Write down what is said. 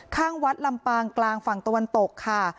ข้างวัดลำปางกลางฝั่งตะวันตกค่ะ